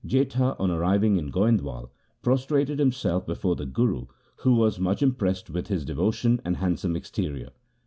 Jetha, on arriving in Goindwal, prostrated himself before the Guru, who was much impressed with his devo tion and handsome exterior.